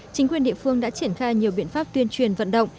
chính quyền địa phương đã triển khai nhiều biện pháp tuyên truyền vận động